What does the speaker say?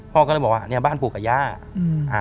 พ่อก็เลยบอกว่าเนี่ยบ้านผูกอาญาอะ